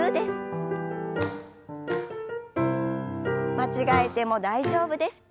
間違えても大丈夫です。